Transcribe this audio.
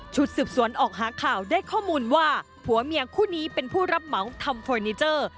สืบสวนออกหาข่าวได้ข้อมูลว่าผัวเมียคู่นี้เป็นผู้รับเหมาทำเฟอร์นิเจอร์